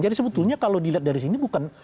jadi sebetulnya kalau dilihat dari sini bukan